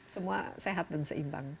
semua sehat dan seimbang